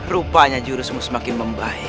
rupanya jurusmu semakin membaik